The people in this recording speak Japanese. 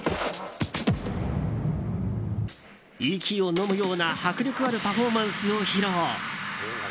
息をのむような迫力あるパフォーマンスを披露。